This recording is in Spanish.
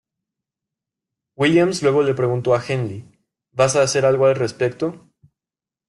Williams luego le preguntó a Henley: "¿Vas a hacer algo al respecto?